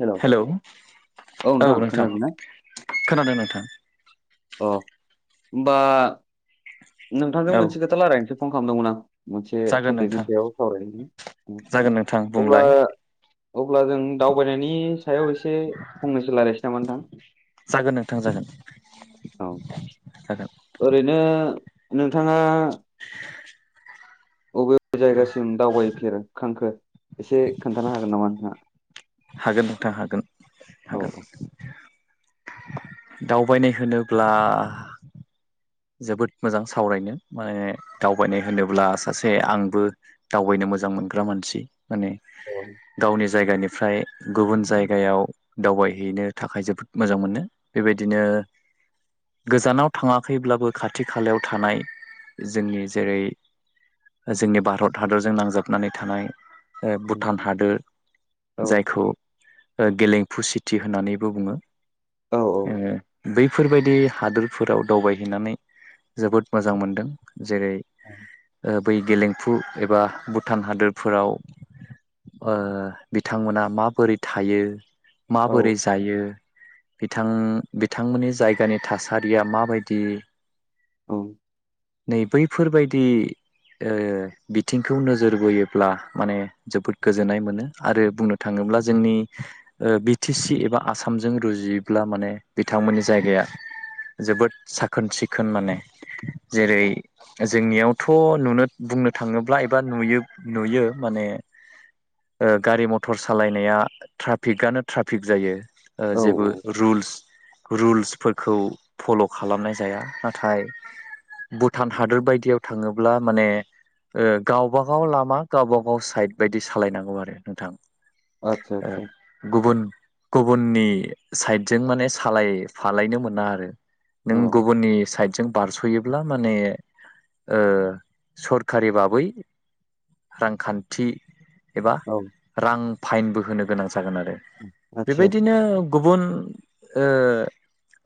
हेल' औ हेलौ औ नोंथां खोनादों नोंथां अ ओमबा नोंथांजों औ मोनसे खोथा लायरायनोसो फन खालामदोंमोन आं मोनसे जागोन टपिकनि सायाव सावरायदिनि नोथां बुंलाय अब्ला जों दावबायनायनि सायाव एसे फंनैसो लायरायनोसै नामा नोंथां जागोन नोंथां जा- औ जागोन ओरैनो नोंथाङा [unintelligible] अबे अबे औ जायगासिम दावबायफेरखांखो एसे खोन्थानो हागोन नामा नोंथाङा हागोन नोंथां हागोन औ हागोन दावबायनाय होनोब्ला जोबोद मोजां सावरायनो माने दावबायनाय होनोब्ला सासे आंबो दावबायनो मोजां मोनग्रा मानसि माने औ गावनि जायगानिफ्राय गुबुन जायगायाव दावबायहैनो थाखाय जोबोद मोजां मोनो बेबायदिनो ओ गोजानाव थाङा खैब्लाबो खाथि खालायाव थानाय जोंनि जेरै जोंनि भारत हादरजों नांजाबनानै थानाय ओ भुटान हादोर जायखौ ओ गेलेमफु सिटि होननानैबो बुङो औ ओ बैफोरबायदि हादोरफोराव दावबायहैनानै जोबोद मोजां मोनदों। जेरै ओ बै गेलेमफु एबा भुटान हादोरफोराव ओ बिथांमोना माबोरै थायो। औ माबोरै जायो बिथां बिथांमोननि जायगानि थासारिया माबाय दि औ नै बैफोरबायदि ओ बिथिंखौ नोजोर बोयोब्ला माने जोबोद गोजोननाय मोनो आरो बुंनो थाङो ब्ला जोंनि ओ बि टि सि एबा आसामजों रुजुयोब्ला माने बिथांमोननि जायगाया जोबोद साखोन सिखोन माने जेरै जोंनियावथ' नुनो बुंनो थाङोब्ला एबा नुयो नुयो माने ओ गारि मथर सालायनाया ट्राफिकआनो ट्राफिक जायो। ओ औ जेबो औ रुल्स रुल्सफोरखौ फल' खालामनाय जाया नाथाय भुटान हादोर बायदियाव थाङोब्ला माने ओ गावबा गाव लामा गावबा गाव साइद बायदि सालायनांगौ आरो नोंथां। आदसा ओ आदसा गुबुन गुबुननि साइदजों माने सालाय फालायनो मोना आरो नों औ गुबुननि साइद जों बारस'योब्ला माने ओ सरखारि बाबै रांखान्थि एबा औ रां फाइनबो होनो गोनां जागोन आरो आदसा आदसा बेबायदिनो गुबुन ओ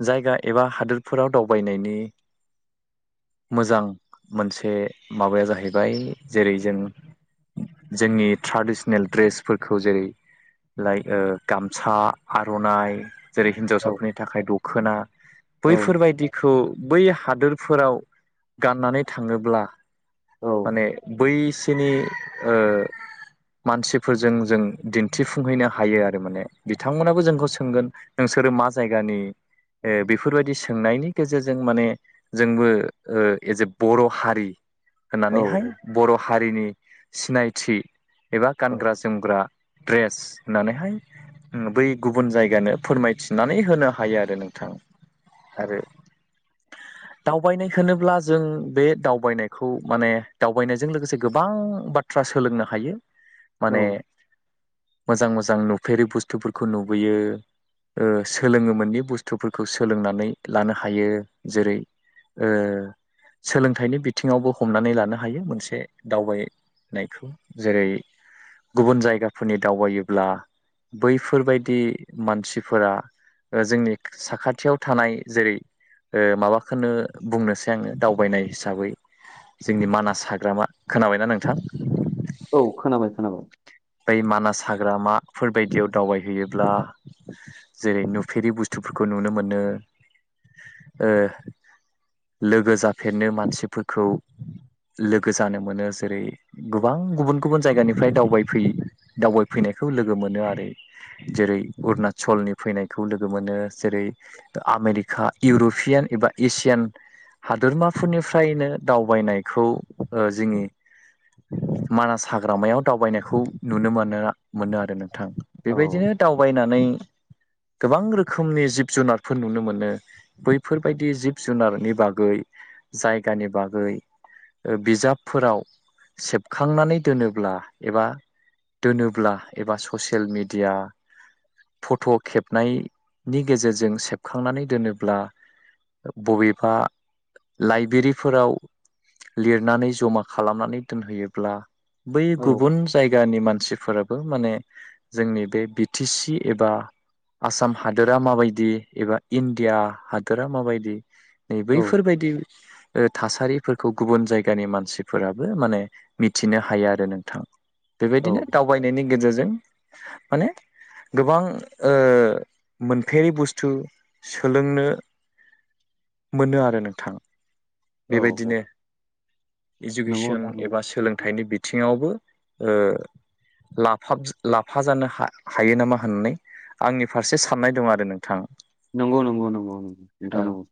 जायगा एबा हादोर फोराव दावबायनायनि मोजां मोनसे माबाया जाहैबाय जेरै जों जोंनि ट्रेडिसनेल ड्रेसफोरखौ जेरै लाइ गामसा आर'नाइ जेरै औ हिन्नजावसाफोरनि थाखाय दख'ना बैफोरबायदिखौ बै हादोरफोराव गाननानै थाङोब्ला औ माने बैसोरनि ओ मानसिफोरजों जों दिन्थिफुंहैनो हायो आरो माने बिथांमोनाबो जोंखौ सोंगोन नों र मा जायगानि ओ बेफोरबायदि सोंनायनि गेजेरजों माने ओ जोंबो एज ए बर' हारि होननानैहाय औ बर' हारिनि सिनायथि एबा औ गानग्रा-जोमग्रा ड्रेस होननानैहाय बै गुबुन जायगानो फोरमायथिनानै होनो हायो आरो नोंथां। आरो [unintelligible] दावबायनाय होनोब्ला जों बे दावबायनायखौ माने दावबायनायजों लोगोसे गोबां बाथ्रा सोलोंनो हायो औ माने मोजां मोजां नुफेरै बुस्थुफोरखौ नुबोयो ओ सोलोंनो मोनि बुस्थुफोरखौ सोलोंनानै लानो हायो जेरै सोलोंथाइनि बिथिङावबो हमनानै लानो हायो मोनसे दावबाय नायखौ जेरै गुबुन जायगाफोरनि दावबायोब्ला बैफोरबायदि मानसिफोरा जोंनि साखा थियाव थानाय जेरै माबाखौनो बुंनोसै आङो दावबायनाय हिसाबै जोंनि मानास हाग्रामा खोनाबायना नोंथां? औ खोनाबाय खोनाबाय। बै मानास हाग्रामाफोर बायदियाव दावबायहैयोब्ला जेरै नुफेरि बुस्थुफोरखौ नुनो मोनो ओ लोगो जाफेरनो मानसिफोरखौ लोगो जानो मोनो जेरै औ गोबां गुबुन गुबुन जायगानिफ्राय दावबाय फै दावबायफैनायखौ लोगो मोनो आरो। जेरै अरुणचलनि फैनायखौ लोगो मोनो जेरै आमेरिका इउर'पियान एबा एसियान हादोरमाफोरनिफ्रायनो दावबायनायखौ ओ जोंनि मानास हाग्रामायाव दावबायनो खौ नुनो मोनो मोनो आरो नोंथां औ बेबायदिनो दावबायनानै गोबां रोखोमनि जिब जुनारफोर नुनो मोनो बैफोरबायदि जिब जुनारनि बागै जायगानि बागै ओ बिजाबफोराव सेबखांनानै दोनोब्ला एबा दोनोब्ला एबा ससियेल मिडिया फट' खेबनायनि गेजेरजों सेबखांनानै दोनोब्ला बबेबा लाइब्रेरिफोराव लिरनानै जमा खालामनानै दोनहैयोब्ला बै औ गुबुन नि मानसिफोराबो माने जोंनि बे बि टि सि एबा आसाम हादोरा माबायदि एबा इण्डिया हादोरा माबायदि नै बैफोरबायदि ओ थासारिफोरखौ गुबुन जायगानि मानसिफोराबो माने मिथिनो हायो आरो नोंथां। औ बेबायदिनो दावबायनायनि गेजेरजों माने गोबां ओ मोनफेरै बुस्थु सोलोंनो मोनो आरो नोंथां। औ औ बेबायदिनो नंगौ इजुकेसन नोंथां एबा सोलोंथाइनि बिथिङावबो ओ लाफाफ लाफा जानो हायो नामा होननानै आंनि फारसे साननाय दं आरो नोंथां। नंगौ नंगौ नंगौं ओं औ नोंथां नंगौ।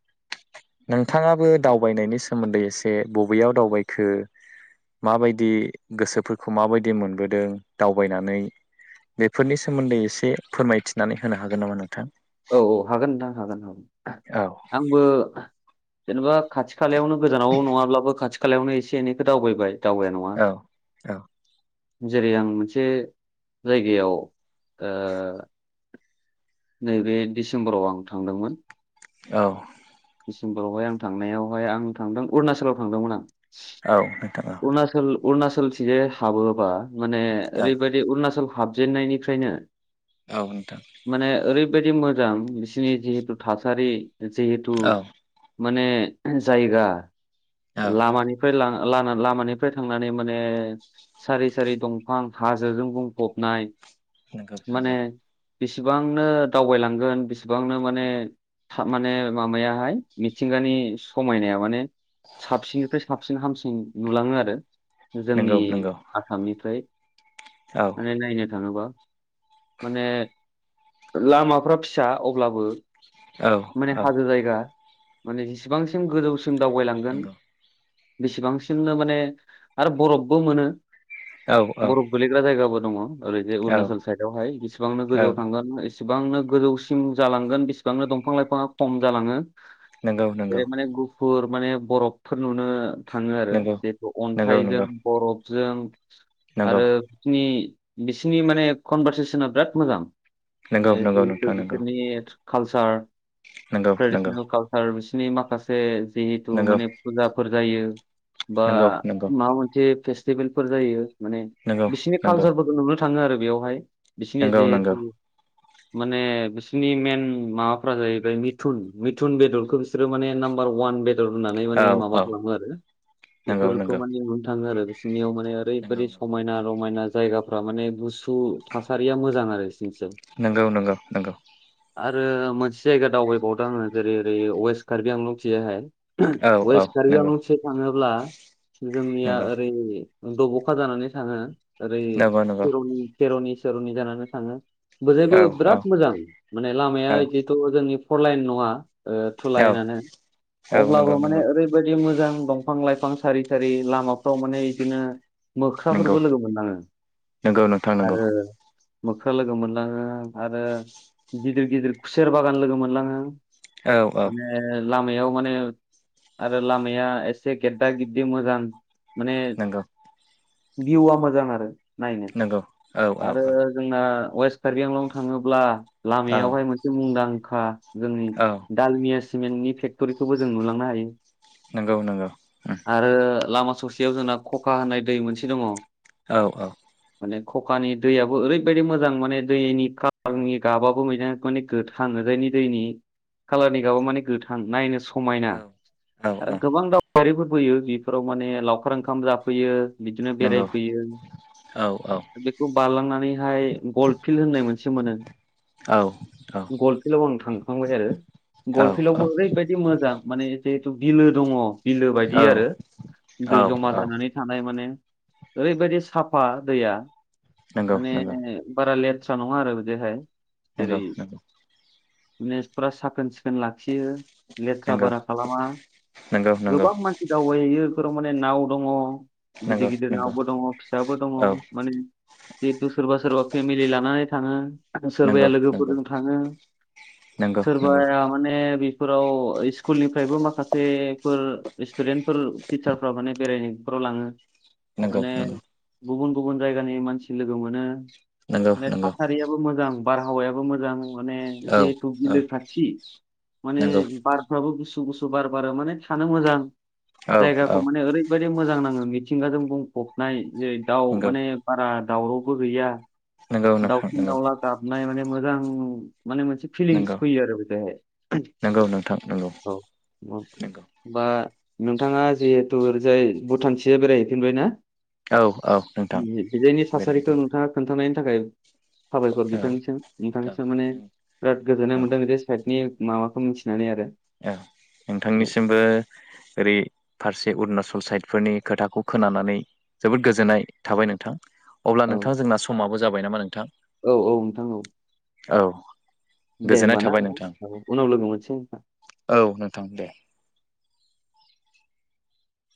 नोंथाङाबो दावबायनायनि सोमोन्दै एसे बबेयाव दावबायखो माबायदि गोसोफोरखौ माबायदि मोनबोदों दावबायनानै बेफोरनि सोमोन्दै एसे फोरमायथिनानै होनो हागोन नामा नोंथां? औ औ हागोन नोंथां हागोन हागोन औ आंबो जेनेबा खाथि खाथि खालायावनो गोजानाव नङाब्लाबो खाथि खालायावनो एसे एनैखौ दावबायबाय। दावबाया नङा औ औ। जेरै आं मोनसे जायगायाव ओ नैबे डिसेम्बराव आं थांदोंमोन। औ। दिडसिम्बरावहाय आं थांनायावहाय आं थांदों अरुणाचलाव थांदोंमोन आं। औ। नोंथां औ अरुणचल अरुणाचलथिंजाय हाबोबा माने औ ओरैबायदि अरुणाचल हाबजेननायनिफ्रायनो औ नोंथां। बायदि मोजां बिसोरनि जिहेथु थासारि जिहेथु औ माने जायगा औ लामानिफ्राय लाना ला लामानिफ्राय थांनानै माने सारि सारि दंफां हाजोजों बुंफबनाय। नंगौ माने नंगौ। बेसेबांनो दावबायलांगोन बेसेबांनो माने नंगौ था माने माबायाहाय मिथिंगानि समायनाया माने साबसिननिफ्राय साबसिन हाम नुलाङो आरो जोंनि नंगौ नंगौ आसामनिफ्राय औ माने नायनो थाङोबा माने लामाफ्रा फिसा अब्लाबो औ माने औ हाजो जायगा माने जेसिबांसिम गोजौसिम दावबायलांगोन नंगौ बेसेबांसिमनो माने आरो बरफबो मोनो औ औ बरफ गोलैग्रा जायगाबो दङ ओरैजाय औ अरुणाचल साइडआवहाय जिसेबां औ गोजौआव थांगोन एस सिबांनो गोजौसिम जालांगोन बेसिबांनो दंफां लाइफाङा खम जालाङो। नोंगौ नोंगौ। फोर माने बरफफोर नुनो थाङो आरो नंगौ बेखौ नंगौ अन्थाइजों नंगौ बरफजों नंगौ आरो फिनि बिसिनि माने कनभारसेसना बिराद मोजां। नंगौ माने नंगौ जिहेतु नोंथां नंगौ बिसोरनि कालसार नंगौ नंगौ ट्रेडिसनेल कालसार बिसनि माखासे जिहेथु नंगौ माने फुजाफोर जायो बा नंगौ नंगौ माबा मोनसे फेस टिभेलफोर जायो माने बिसिनि नंगौ कालसारफोरखौ नुनो थाङो आरो बेयावहाय। बिसिनि नंगौ नंगौ जिहेथु नंगौ माने बिसोरनि मेन माबाफ्रा जाहैबाय मिथुन मिथुन बेदरखौ बिसोरो माने नाम बार अवान बेदर होननानै औ माने माबा औ खालामो आरो नंगौ बेफोरखौ नंगौ माने नुनो थाङो आरो बिसोरनियाव ने नंगौ ओरैबायादि समायना रमायना जायगाफ्रा माने गुसु थासारिया मोजां आरो। बिसोरनिथिं नोंगौ नोंगौ नोंगौ। आरो मोनसे जायगा दावबायबावदों आङो जेरै ओरै वेस्ट कार्बि आंल'थियाहाय औ औ वेस्ट कारबि नंगौ आंलंथि थाङोब्ला जोंनिया नंगौ ओरै दब'खा जानानै थाङो। ओरै नंगौ नंगौ खेर'नि तेर'नि सेर'नि जानानै थाङो। बोजायबो औ औ बोराद मोजां माने लामाया इदिथ' जोंनि फ'र लाइन नङा ओ थु औ लाइनानो औ अब्लाबो नंगौ माने नंगौ ओरैबायदि मोजां फां लाइफां सारि सारि लामाफ्राव माने इदिनो नंगौ मोख्राफोरबो लोगो मोनलाङो नंगौ नोंथां नंगौ आरो मोख्रा लोगो मोनलाङो आरो गिदिर गिदिर खुसेर बागान लोगो मोनलाङो औ औ। माने लामायाव माने आरो लामाया एसे गेददा गेददि मोजां माने नंगौ भिउआ मोजां आरो नायनो नंगौ औ औ आरो जोंना वेस्ट कारबि आंलं थाङोब्ला औ लामायावहाय मोनसे मुंदांखा जोंनि औ दालमिया सिमेन्टनि फेक्ट'रिखौबो जों नुलांनो हायो। नोंगौ नोंगौ। आरो लामा ससेयाव जोंना खखा होननाय दै मोनसे दङ। औ औ। माने खखानि दैयाबो ओरैबायदि मोजां माने दैनि औ कालारनि गाबाब बोहैनाय [unintelligible] गोथां दैनि दैनि कालारनि गाबा मान गोथां नायनो स समायना औ औ आरो औ गोबां दावबायारिफोर फैयो बिफोराव माने लावखार ओंखाम जाफैयो। बिदिनो नंगौ बेरायफैयो। औ औ बेखौ बारलांनानैहाय गल फिल्ड होननाय मोनसे मोनो। औ गलफिल्डआव आं थांखांबाय आरो औ गलफिल्डआवबो ओरैबायाददि मोजां माने जिहेथु बिलो दङ बिलो बायदि आरो औ दै जमा औ जानानै थानाय माने ओरैबायदि साफा दैया नंगौ माने नंगौ बारा लेट थ्रा नङा आरो बिदिहाय। नोंगौ नोंगौ। माने फुरा साखोन सिखोन लाखियो लेथ्रा नंगौ बारा खालामा। नंगौ नंगौ गोबां मानसि दावबायहैयो फोराव माने नाव दङ। गिदिर नंगौ गिदिर नंगौ नावबो दङ फिसो दङ औ माने जिहेथु सोरबा सोरबा फेमिलि लानानै थाङो सोरबाया नंगौ नंगौ लोगोफोरजों थाङो नंगौ सोरबाया माने फोराव स्कुलनिफ्रायबो माखासे फोर सटुडेन्टफोर टिचारफ्राव माने बेरायनायफोराव लाङो नंगौ माने नंगौ गुबुन गुबुन जायगानि मानसि लोगो मोनो नंगौ माने नंगौ थासारियाबो मोजां। बारहावायाबो मोजां माने औ जिहेथु औ बिलो खाथि माने नंगौ बारफ्राबो गोसो गुसु गुसु बार बारो माने थानो मोजां औ जायगाखौ औ माने ओरै बेबायदि मोजां नाङो मिथिंगाजों बुंफबनाय जेरै दाउ नंगौ माने बारा दावरावबो गैया नंगौ नोंथां दाउसिन नंगौ दाउला गाबनाय माने मोजां माने मोनसे फिलिंस नंगौ फैयो आरो बेहाय नंगौ नोंथां नंगौ औ नंगौ बा नोंथाङा जिहेतु ओरजाय भुटानथिजाय बेरायहैफेरबाय ना? औ औ नोंथां बिनि थासारिखौ बेरायहैदों नोंथाङा खोन्थानाय। थाखाय साबायखर बिथांसो औ नोंथांसो माने औ बिराद गोजोननाय औ मोनदों बि साइडनि माबाखौ मिथिनानै आरो। औ औ नोंथांनिसिमबो ओरै फारसे अरुणचल साइडफोरनि खोथाखौ खोनानानै जोबोद गोजोननाय थाबाय नोंथां। अब्ला औ नोंथाङा जोंना समाबो जाबाय नामा नोंथां औ औ नोंथां औ औ दे गोजोननाय होनबा ना थाबाय नोंथां उनाव लोगो मोनगोन। औ नोंथां दे